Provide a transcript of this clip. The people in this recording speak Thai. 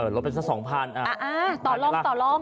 เออลบเป็นสัก๒๐๐๐อ่ะอ่าตอดลอง